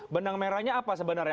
benang merahnya apa sebenarnya